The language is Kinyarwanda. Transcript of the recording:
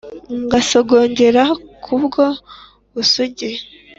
Ngasogongera kuri ubwo busugi.